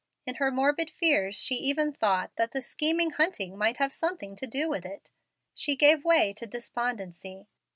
In her morbid fears she even thought that the scheming Hunting might have something to do with it. She gave way to despondency.